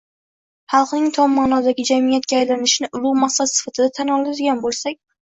Xalqning tom ma’nodagi jamiyatga aylanishini ulug‘ maqsad sifatida tan oladigan bo‘lsak